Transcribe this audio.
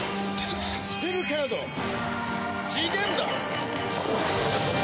スペルカード次元断。